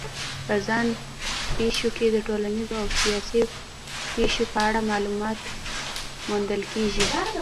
په ځان پېښو کې د ټولنیزو او سیاسي پېښو په اړه معلومات موندل کېږي.